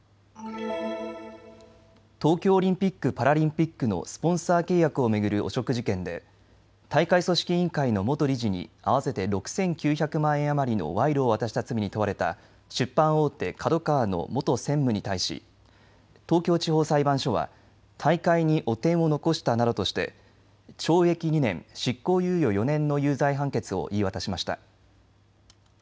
東京オリンピック・パラリンピックのスポンサー契約を巡る汚職事件で大会組織委員会の元理事に合わせて６９００万円余りの賄賂を渡した罪に問われた出版大手、ＫＡＤＯＫＡＷＡの元専務に対し東京地方裁判所は大会に汚点を残したなどとして懲役２年、執行猶予４年の有罪判決を言い渡しました。